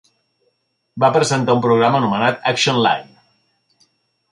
Va presentar un programa anomenat Action Line.